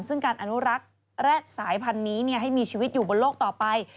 ซึ่งการอนุรักษ์แร็ดสายพันธุ์นี้ให้มีชีวิตอยู่บนโลกต่อไป